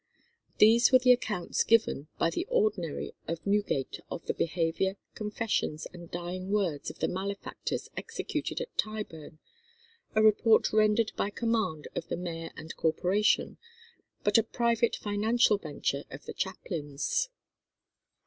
These were the accounts given by the ordinary of Newgate of the behaviour, confessions, and dying words of the malefactors executed at Tyburn, a report rendered by command of the mayor and Corporation, but a private financial venture of the chaplain's.